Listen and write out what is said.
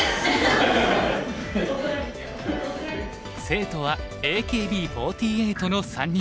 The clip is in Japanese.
生徒はＡＫＢ４８の３人。